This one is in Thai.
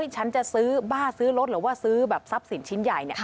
ฉันจะซื้อบ้าซื้อรถหรือว่าซื้อแบบทรัพย์สินชิ้นใหญ่